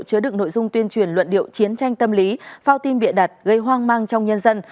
chứa được nội dung tuyên truyền luận điệu chiến tranh tâm lý phao tin bịa đặt gây hoang mang trong nhân dân